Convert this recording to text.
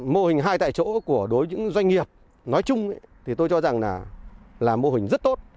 mô hình hai tại chỗ của đối với những doanh nghiệp nói chung thì tôi cho rằng là mô hình rất tốt